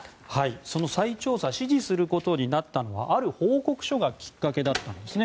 その再調査指示することになったのはある報告書がきっかけだったんですね。